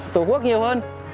tổ quốc nhiều hơn